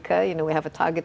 kita memiliki target